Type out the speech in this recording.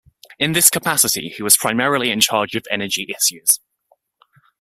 In this capacity, he was primarily in charge of energy issues.